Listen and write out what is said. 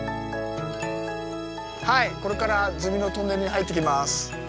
はいこれからズミのトンネルに入っていきます。